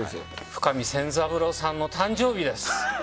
深見千三郎さんの誕生日です。